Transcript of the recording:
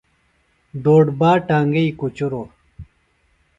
ڈوڈبا ٹانگئی کُچُروۡ۔